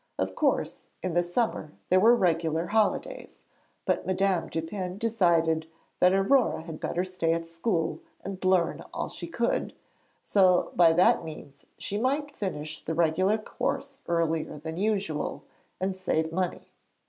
Of course, in the summer there were regular holidays, but Madame Dupin decided that Aurore had better stay at school and learn all she could, so by that means she might finish the regular course earlier than usual, and save money.